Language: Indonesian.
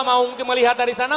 mau melihat dari sana